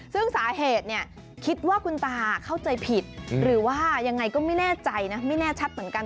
ซึ่งสาเหตุเนี่ยคิดว่าคุณตาเข้าใจผิดหรือว่ายังไงก็ไม่แน่ใจนะไม่แน่ชัดเหมือนกัน